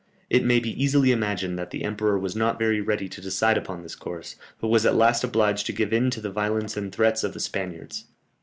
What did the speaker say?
It may be easily imagined that the emperor was not very ready to decide upon this course, but was at last obliged to give in to the violence and threats of the Spaniards.